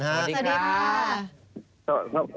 สวัสดีครับ